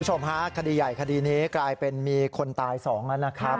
คุณผู้ชมฮะคดีใหญ่คดีนี้กลายเป็นมีคนตายสองแล้วนะครับ